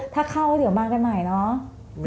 ถ้าเข้าแล้วเดี๋ยวมากันใหม่เนาะ